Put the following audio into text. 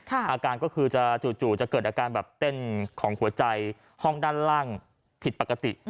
อาการก็คือจะจู่จะเกิดอาการแบบเต้นของหัวใจห้องด้านล่างผิดปกติ